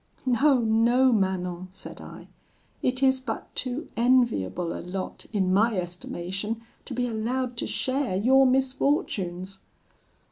"'No, no, Manon,' said I; 'it is but too enviable a lot, in my estimation, to be allowed to share your misfortunes.'